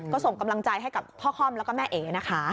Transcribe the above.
ก็ส่งกำลังใจให้กับพ่อค่อมแล้วก็แม่เอ๋นะคะ